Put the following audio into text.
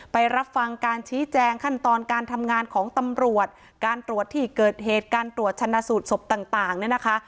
ไปรับฟังการชี้แจงขั้นตอนการทำงานของตำรวจการตรวจที่เกิดเหตุการตรวจชนะสูตรศพต่างเนี่ยนะคะ